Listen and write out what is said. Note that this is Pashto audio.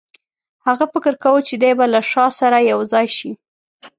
هغه فکر کاوه چې دی به له شاه سره یو ځای شي.